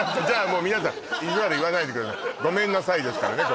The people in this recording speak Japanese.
もう皆さん意地悪言わないでくださいごめんなさいですからね